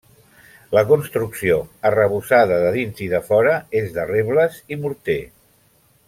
La construcció, arrebossada de dins i de fora, és de rebles i morter.